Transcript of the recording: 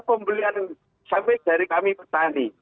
pembelian sawit dari kami petani